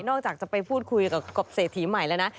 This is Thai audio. จากจะไปพูดคุยกับกบเศรษฐีใหม่แล้วนะ